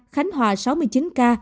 khánh hòa sáu mươi chín ca